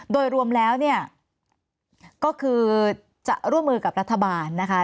โดยรวมแล้วเนี่ยก็คือจะร่วมมือกับรัฐบาลนะคะ